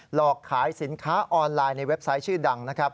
หลอกขายสินค้าออนไลน์ในเว็บไซต์ชื่อดังนะครับ